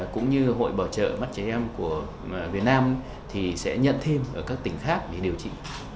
cũng như hội bảo trợ mắt trẻ em của việt nam thì sẽ nhận thêm ở các tỉnh khác để điều trị